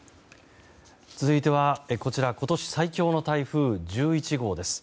続いては今年最強の台風１１号です。